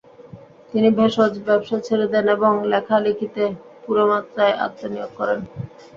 তিনি ভেষজ-ব্যবসা ছেড়ে দেন এবং লেখা-লেখিতে পুরোমাত্রায় আত্মনিয়োগ করেন।